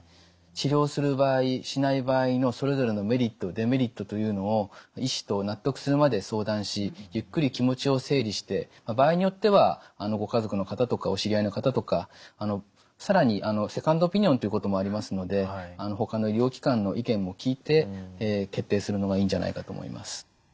治療する場合しない場合のそれぞれのメリット・デメリットというのを医師と納得するまで相談しゆっくり気持ちを整理して場合によってはご家族の方とかお知り合いの方とか更にセカンドオピニオンということもありますのでほかの医療機関の意見も聞いて決定するのがいいんじゃないかと思います。